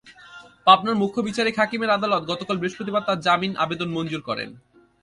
পাবনার মুখ্য বিচারিক হাকিমের আদালত গতকাল বৃহস্পতিবার তাঁর জামিন আবেদন মঞ্জুর করেন।